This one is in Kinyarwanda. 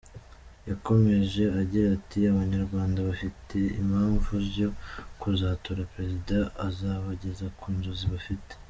Yakomeje agira ati “Abanyarwanda bafite impamvu yo kuzatora Prezida uzabageza ku nzozi bafite .